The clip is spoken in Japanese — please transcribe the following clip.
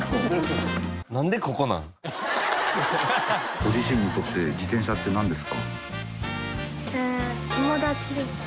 ご自身にとって自転車ってなんですか？